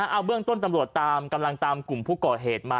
เอาเบื้องต้นตำรวจตามกำลังตามกลุ่มผู้ก่อเหตุมา